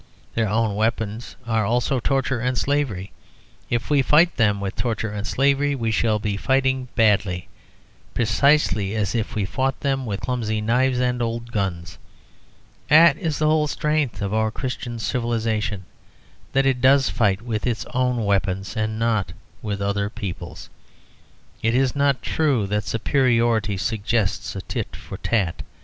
Their own weapons are also torture and slavery. If we fight them with torture and slavery, we shall be fighting badly, precisely as if we fought them with clumsy knives and old guns. That is the whole strength of our Christian civilisation, that it does fight with its own weapons and not with other people's. It is not true that superiority suggests a tit for tat.